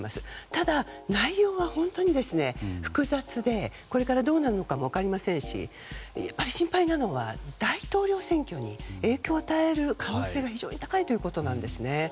ただ、内容は本当に複雑でこれからどうなるのかも分かりませんし心配なのは大統領選挙に影響を与える可能性が非常に高いということなんです。